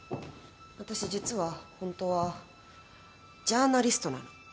私実はホントはジャーナリストなの。